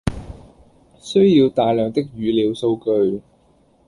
需要大量的語料數據